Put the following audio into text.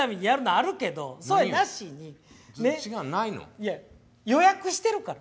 いや予約してるから。